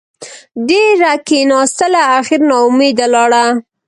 ډېره کېناستله اخېر نااوميده لاړه.